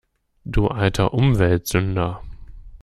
Du alter Umweltsünder!